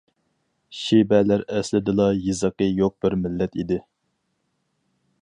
شىبەلەر ئەسلىدىلا يېزىقى يوق بىر مىللەت ئىدى.